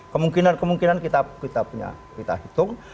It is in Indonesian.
kemungkinan kemungkinan kita punya kita hitung